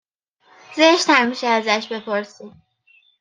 زشت هم میشه ازش بپرسیم